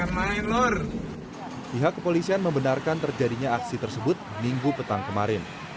pihak kepolisian membenarkan terjadinya aksi tersebut minggu petang kemarin